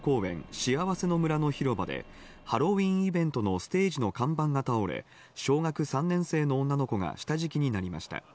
しあわせの村の広場でハロウィーンイベントのステージの看板が倒れ、小学３年生の女の子が下敷きになりました。